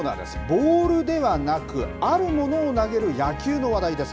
ボールではなく、あるものを投げる野球の話題です。